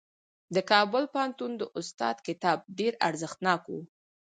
د کابل پوهنتون د استاد کتاب ډېر ارزښتناک و.